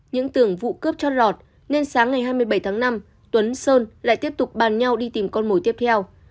những tưởng vụ cướp cho lọt nên sáng ngày hai mươi bảy tháng năm tuấn sơn lại tiếp tục bàn nhau đi tìm con mồi tiếp theo